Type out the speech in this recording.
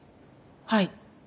はい。